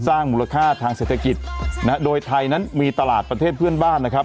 สร้างมูลค่าทางเศรษฐกิจนะฮะโดยไทยนั้นมีตลาดประเทศเพื่อนบ้านนะครับ